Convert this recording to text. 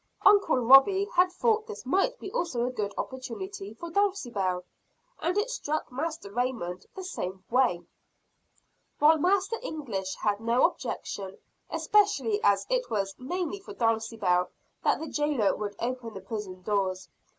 Uncle Robie had thought this might be also a good opportunity for Dulcibel. And it struck Master Raymond the same way; while Master English had no objection, especially as it was mainly for Dulcibel that the jailer would open the prison doors.